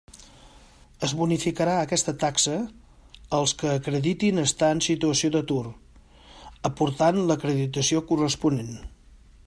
Es bonificarà aquesta taxa, als que acreditin estar en situació d'atur, aportant l'acreditació corresponent.